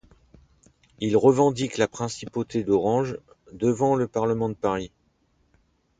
Il revendique la Principauté d'Orange devant le parlement de Paris.